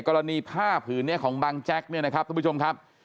กรณีภาพื้นของบางแจ็คทุกผู้ชมครับ